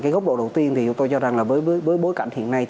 gốc độ đầu tiên tôi cho rằng với bối cảnh hiện nay